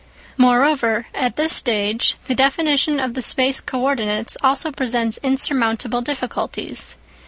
Moreover, at this stage the definition of the space co ordinates also presents insurmountable difficulties.